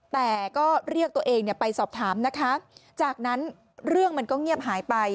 แต่ก็เรียกตัวเองไปสอบถามนะคะจากนั้นเรื่องมันก็เงียบหายไป